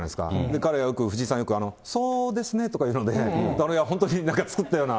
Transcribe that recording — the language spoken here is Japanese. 彼がよく、藤井さんよく、そうですねとかいうので、本当に作ったような。